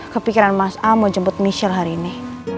kepikiran mas a mau jemput micher hari ini